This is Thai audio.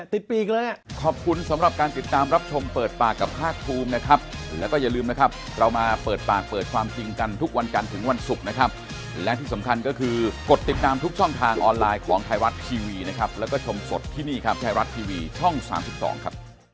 ที่ก็อะไรอะไรหน้ามั่นอะไรอ่าอ่าเขายิ่งปลายใหญ่เลยอ่ะติดปีกแล้วน่ะ